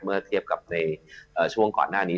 เมื่อเทียบกับในช่วงก่อนหน้านี้